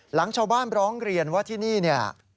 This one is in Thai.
หลังชาวบ้านร้องเรียนว่าที่นี่เนี่ย